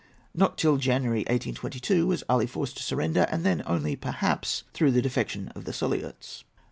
Not till January, 1822, was Ali forced to surrender, and then only, perhaps, through the defection of the Suliots.